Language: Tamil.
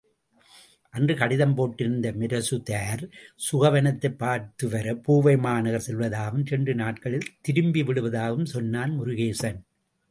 அன்று கடிதம் போட்டிருந்த மிராசுதார் சுகவனத்தைப் பார்த்துவர பூவைமாநகர் செல்வதாகவும், இரண்டு நாட்களில் திரும்பி விடுவதாகவும் சொன்னான் முருகேசன்.